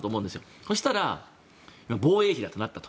そしたら、防衛費だとなったと。